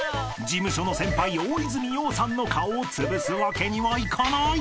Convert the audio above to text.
［事務所の先輩大泉洋さんの顔をつぶすわけにはいかない］